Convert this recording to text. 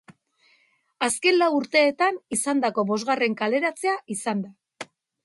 Azken lau urteetan izandako bosgarren kaleratzea izan da.